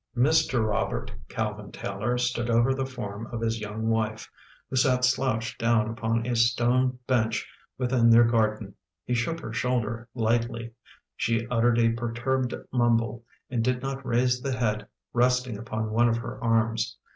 [ioo] Mr. Robert Calvin Taylor stood over the form of his young wife, who sat slouched down upon a stone bench within their garden. He shook her shoulder, lightly. She uttered a perturbed mumble and did not raise the head resting upon one of her arms.